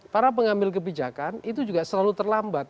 para pengambil kebijakan itu juga selalu terlambat